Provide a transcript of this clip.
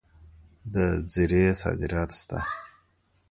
د زیرې صادرات شته.